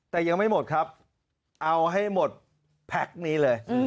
แต่ยังไม่หมดครับเอาให้หมดแพ็คนี้เลย